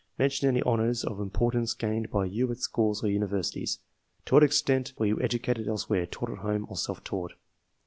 ^Mention any honours of importance gained by you at schools or universities. To what extent were you educated else where, taught at home, or self taught?